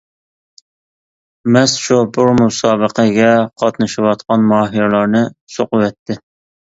مەست شوپۇر مۇسابىقىگە قاتنىشىۋاتقان ماھىرلارنى سوقۇۋەتتى.